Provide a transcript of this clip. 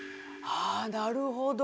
あなるほど。